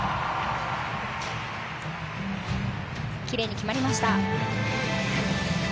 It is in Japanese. きれいに決まりました。